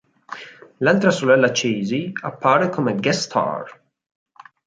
L'altra sorella Casey appare come guest star.